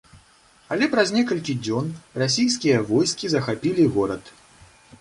Але праз некалькі дзён расійскія войскі захапілі горад.